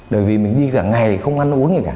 tại vì mình đi cả ngày thì không ăn uống gì cả